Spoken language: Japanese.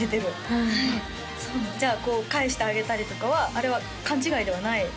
はいじゃあ返してあげたりとかはあれは勘違いではない？